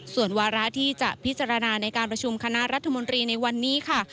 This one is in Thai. ส่วนวาระที่จะพิจารณาในการประชุมคณะรัฐมนตรีในวันนี้ค่ะ